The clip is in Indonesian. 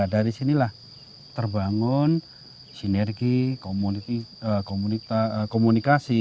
dari sinilah terbangun sinergi komunikasi